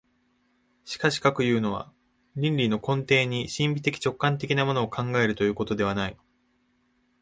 しかしかくいうのは、論理の根底に神秘的直観的なものを考えるということではない。